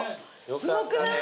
すごくない？